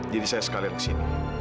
jadi saya sekalian kesini